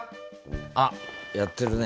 あっやってるね。